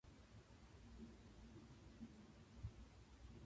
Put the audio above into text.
最近、健康のために毎朝ウォーキングを始めましたが、とても気持ちがいいです。